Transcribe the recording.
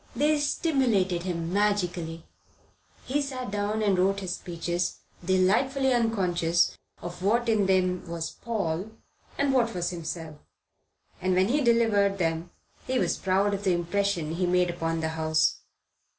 They stimulated him magically. He sat down and wrote his speeches, delightfully unconscious of what in them was Paul and what was himself; and when he delivered them he was proud of the impression he had made upon the House.